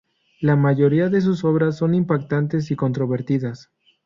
La mayoría de sus obras son impactantes y controvertidas.